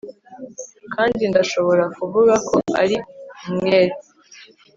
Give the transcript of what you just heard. kandi ndashobora kuvuga ko ari umwere